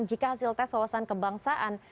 jika hasil tes wawasan kebangsaan